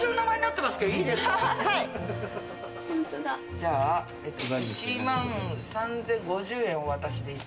じゃあ１万３，０５０円お渡しでいいですか？